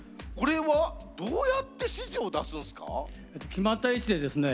決まった位置でですね